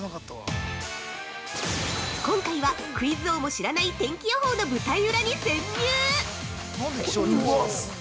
今回は、クイズ王も知らない天気予報の舞台裏に潜入！